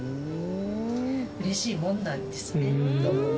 嬉しいもんなんですね。